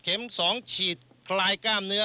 เข็ม๒ฉีดคลายก้ามเนื้อ